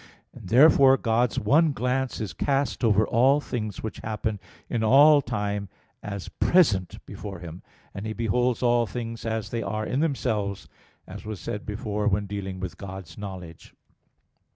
And therefore God's one glance is cast over all things which happen in all time as present before Him; and He beholds all things as they are in themselves, as was said before when dealing with God's knowledge (Q.